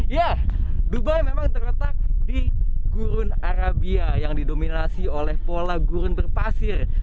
ya dubai memang terletak di gurun arabia yang didominasi oleh pola gurun berpasir